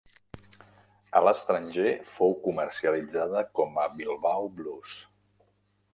A l'estranger fou comercialitzada com a Bilbao Blues.